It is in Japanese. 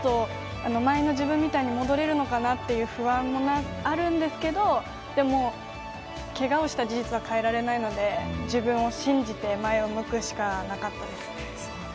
前の自分みたいに戻れるのかなみたいな不安もあるんですけどでも、けがをした事実は変えられないので自分を信じて前を向くしかなかったですね。